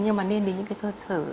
nhưng mà nên đến những cái cơ sở